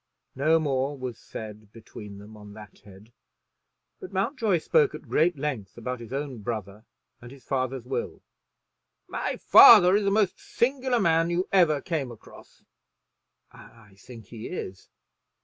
No more was said between them on that head, but Mountjoy spoke at great length about his own brother and his father's will. "My father is the most singular man you ever came across." "I think he is."